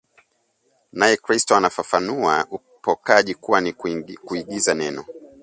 Naye Crystal anafafanua ukopaji kuwa ni kuingiza neno